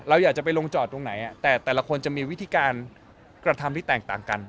เราอยากจะไปลงจอดตรงไหนแต่แต่ละคนจะมีวิธีการกระทำที่แตกต่างกัน